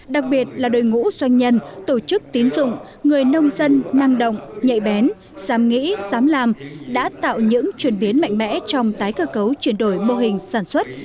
đặc biệt là đội ngũ doanh nhân tổ chức tín dụng người nông dân năng động nhạy bén dám nghĩ dám làm đã tạo những chuyển biến mạnh mẽ trong tái cơ cấu chuyển đổi mô hình sản xuất